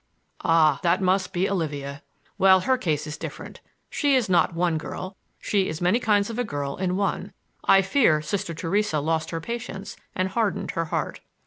"Ah, that must be Olivia! Well, her case is different. She is not one girl,—she is many kinds of a girl in one. I fear Sister Theresa lost her patience and hardened her heart."